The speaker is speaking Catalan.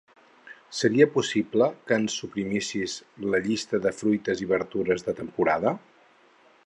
Seria possible que ens suprimissis la llista de fruites i verdures de temporada?